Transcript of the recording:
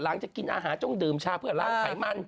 กินอาหารจ้องดื่มชาเพื่อล้างไขมัน